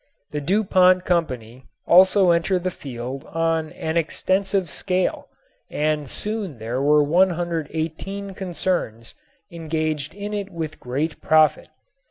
The Du Pont Company also entered the field on an extensive scale and soon there were 118 concerns engaged in it with great profit.